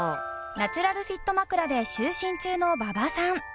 ナチュラルフィット枕で就寝中の馬場さん。